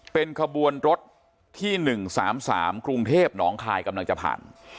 เป็นขบวนรถที่๑๓๓กรุงเทพหนองคายกำลังจะผ่าน